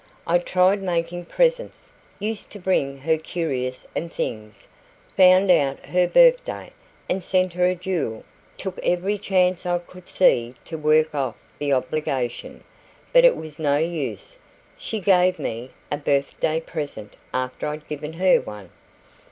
I tried making presents used to bring her curios and things found out her birthday, and sent her a jewel took every chance I could see to work off the obligation. But it was no use. She gave ME a birthday present after I'd given her one."